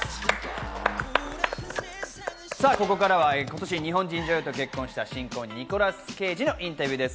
ここからは今年、日本人女優と結婚した新婚ニコラス・ケイジのインタビューです。